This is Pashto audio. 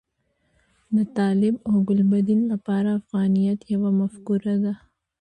د طالب او ګلبدین لپاره افغانیت یوه مفکوره ده.